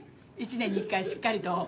１年に１回しっかりと。